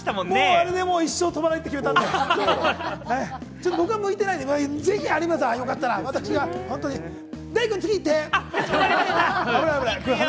あれで一生飛ばないって決めたので、僕は向いてないので、ぜひ有村さんよかったら、デイくん、次行って！